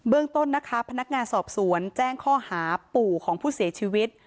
ต้นนะคะพนักงานสอบสวนแจ้งข้อหาปู่ของผู้เสียชีวิต